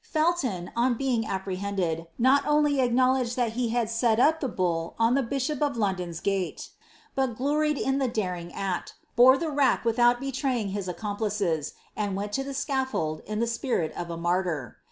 Felton, on being apprehended, not only acknowledged that he had set up the bull on the bishop of London^s gate, but gloried in the daring act, bore the rack without betraying his accomplices, and went to the scaffold in the fpirit of a martyr.